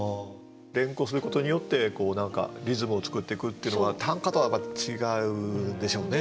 連呼することによって何かリズムを作っていくってのは短歌とは違うでしょうねきっとね。